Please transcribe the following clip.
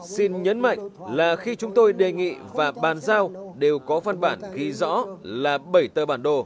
xin nhấn mạnh là khi chúng tôi đề nghị và bàn giao đều có văn bản ghi rõ là bảy tờ bản đồ